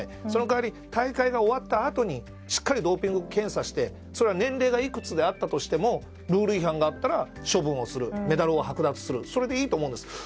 その代わり大会が終わったあとにしっかりドーピング検査してそれは年齢がいくつであったとしてもルール違反があったら処分をするメダルをはく奪するそれでいいと思うんです。